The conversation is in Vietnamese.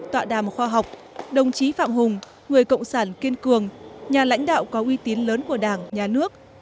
tọa đàm khoa học đồng chí phạm hùng người cộng sản kiên cường nhà lãnh đạo có uy tín lớn của đảng nhà nước